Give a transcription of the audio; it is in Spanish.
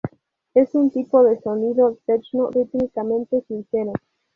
Es un tipo de sonido techno rítmicamente sincero.